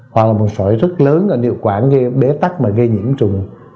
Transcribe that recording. hoặc là một sỏi rất lớn là điều quản bế tắc mà gây nhiễm trùng